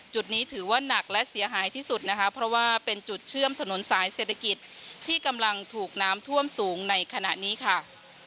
จุดนี้ถือว่านักและเสียหายที่สุดนะคะเพราะว่าเป็นจุดเชื่อมถนนสายเศรษฐกิจที่กำลังถูกน้ำท่วมสูงในขณะนี้ค่ะ